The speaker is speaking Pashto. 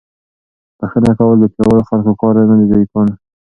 بښنه کول د پیاوړو خلکو کار دی، نه د ضعیفانو.